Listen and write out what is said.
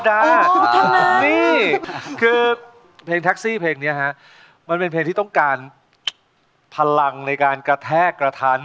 นี่คือเพลงแท็กซี่เพลงนี้ฮะมันเป็นเพลงที่ต้องการพลังในการกระแทกกระทัน